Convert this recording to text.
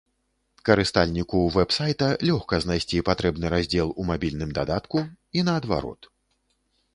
Карыстальніку вэб-сайта лёгка знайсці патрэбны раздзел у мабільным дадатку, і наадварот.